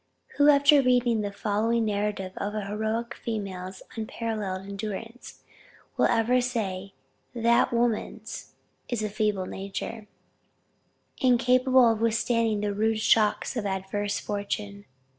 Who after reading the following narrative of an heroic female's unparalleled endurance, will ever say that woman's is a feeble nature, incapable of withstanding the rude shocks of adverse fortune?